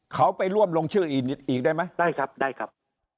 เขาไปร่วมลงชื่ออีกได้ไหมได้ครับ